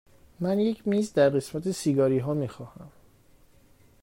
من یک میز در قسمت سیگاری ها می خواهم.